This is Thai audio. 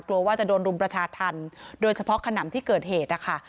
กลัวว่าจะโดนรุมประชาธรรมโดยเฉพาะขนำที่เกิดเหตุนะคะ